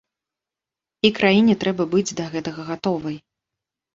І краіне трэба быць да гэтага гатовай.